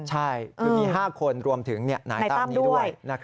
ใช่คือมี๕คนรวมถึงนายตั้มนี้ด้วย